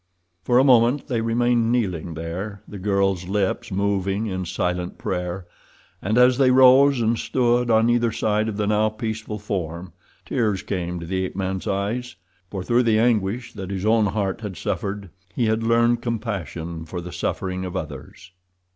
For a moment they remained kneeling there, the girl's lips moving in silent prayer, and as they rose and stood on either side of the now peaceful form, tears came to the ape man's eyes, for through the anguish that his own heart had suffered he had learned compassion for the suffering of others.